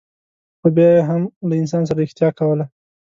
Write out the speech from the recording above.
خو بیا یې هم له انسان سره رښتیا کوله.